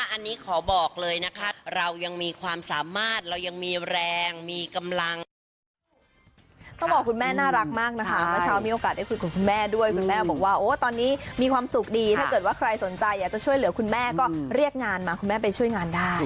อันนี้ขอบอกเลยนะคะเรายังมีความสามารถเรายังมีแรงมีกำลัง